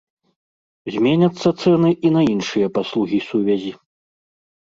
Зменяцца цэны і на іншыя паслугі сувязі.